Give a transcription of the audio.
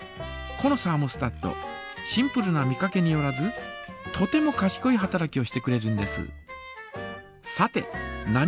このサーモスタットシンプルな見かけによらずとてもかしこい働きをしてくれるんです。